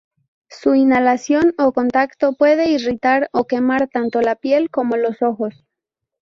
Su inhalación o contacto puede irritar o quemar tanto la piel como los ojos.